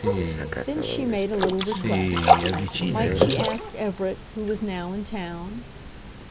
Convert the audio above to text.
Then she made a little request. Might she ask Everett, who was now in town?